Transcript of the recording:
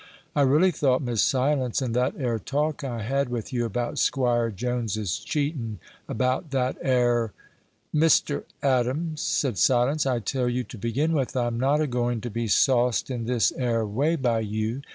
"I really thought, Miss Silence, in that 'ere talk I had with you about 'Squire Jones's cheatin' about that 'ere " "Mr. Adams," said Silence, "I tell you, to begin with, I'm not a going to be sauced in this 'ere way by you.